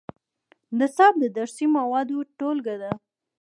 نصاب د درسي موادو ټولګه ده